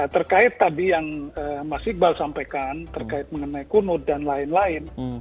terkait tadi yang mas iqbal sampaikan terkait mengenai kunud dan lain lain